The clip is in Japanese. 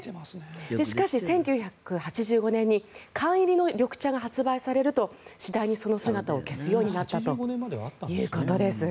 しかし、１９８５年に缶入りの緑茶が販売されると次第にその姿を消すようになったということです。